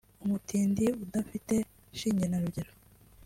umutindi udafite shinge na rugero